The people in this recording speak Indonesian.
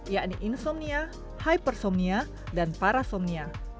yakni insomnia hypersomnia dan parasomnia